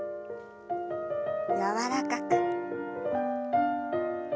柔らかく。